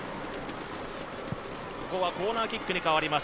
ここはコーナーキックに変わります。